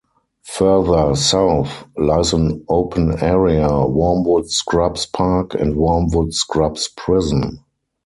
Further south lies an open area, Wormwood Scrubs Park, and Wormwood Scrubs prison.